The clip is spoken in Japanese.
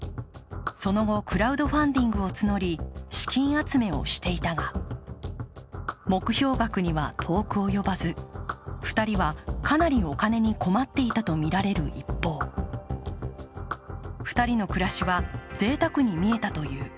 その後クラウドファンディングを募り資金集めをしていたが、目標額には遠く及ばず２人はかなりお金に困っていたとみられる一方２人の暮らしはぜいたくに見えたという。